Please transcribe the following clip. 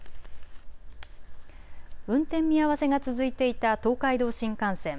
運転見合わせが続いていた東海道新幹線。